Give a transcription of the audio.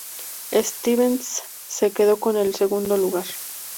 Stevens se quedó con el segundo lugar.